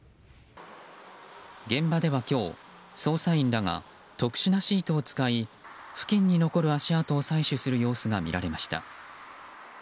現場では今日、捜査員らが特殊なシートを使い付近に残る足跡を採取する様子が見られました。